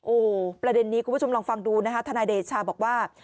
โอ้โหประเด็นนี้คุณผู้ชมลองฟังดูนะคะทนายเดชาบอกว่า